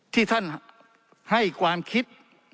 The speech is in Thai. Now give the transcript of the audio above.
ที่ท่านให้ความคิด